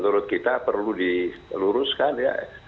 menurut kita perlu diluruskan ya